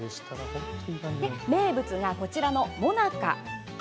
名物が、こちらのもなか。